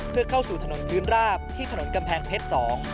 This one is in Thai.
เพื่อเข้าสู่ถนนพื้นราบที่ถนนกำแพงเพชร๒